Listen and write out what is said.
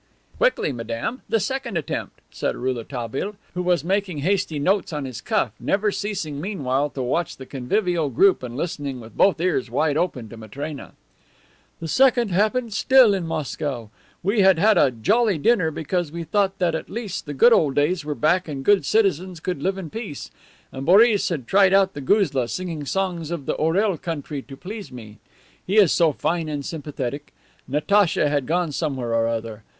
"Quickly, madame, the second attempt," said Rouletabille, who was aking hasty notes on his cuff, never ceasing, meanwhile, to watch the convivial group and listening with both ears wide open to Matrena. "The second happened still in Moscow. We had had a jolly dinner because we thought that at last the good old days were back and good citizens could live in peace; and Boris had tried out the guzla singing songs of the Orel country to please me; he is so fine and sympathetic. Natacha had gone somewhere or other.